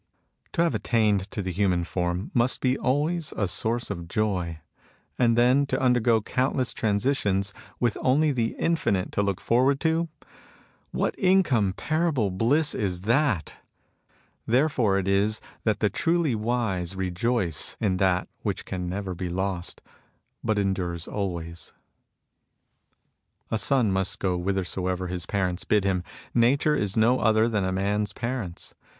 To have attained to the human form must be always a source of joy. And then, to undergo countless transitions, with only the infinite to look forward to, — ^what incomparable bliss is that ! Therefore it is that the truly wise rejoice in that which can never be lost, but endures alway. A son must go whithersoever his parents bid him. Nature is no other than a man's parents.